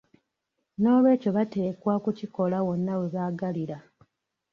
N'olwekyo bateekwa okukikola wonna we baagalira.